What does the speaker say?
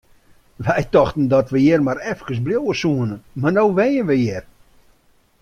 Wy tochten dat we hjir mar efkes bliuwe soene, mar no wenje we hjir!